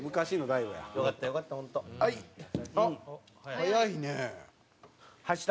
早いね。